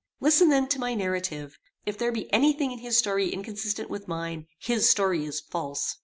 Listen then to my narrative. If there be any thing in his story inconsistent with mine, his story is false."